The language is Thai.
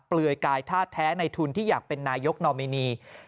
เลื่อยกายท่าแท้ในทุนที่อยากเป็นนายกนอมินี